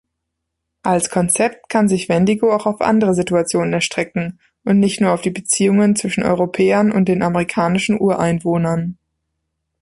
Als Konzept kann sich Wendigo auch auf andere Situationen erstrecken, und nicht nur auf die Beziehungen zwischen Europäern und den amerikanischen Ureinwohnern.